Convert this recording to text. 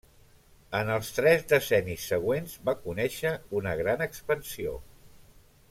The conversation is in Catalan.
En els tres decennis següents va conèixer una gran expansió.